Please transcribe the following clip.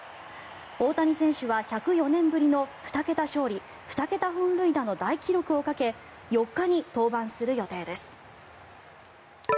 大谷選手は１０４年ぶりの２桁勝利２桁本塁打の大記録をかけ４日に登板する予定です。